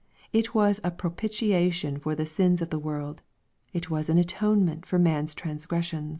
It was a propitiation for the sins of the world. It was an atonement for man's transgression.